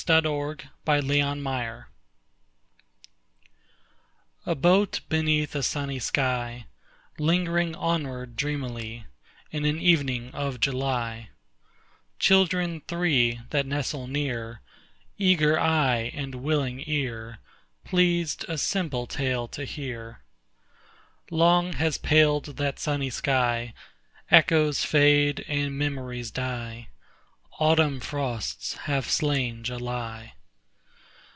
Which do you think it was? A boat beneath a sunny sky, Lingering onward dreamily In an evening of July— Children three that nestle near, Eager eye and willing ear, Pleased a simple tale to hear— Long has paled that sunny sky: Echoes fade and memories die. Autumn frosts have slain July.